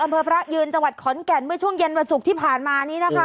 พระยืนจังหวัดขอนแก่นเมื่อช่วงเย็นวันศุกร์ที่ผ่านมานี้นะคะ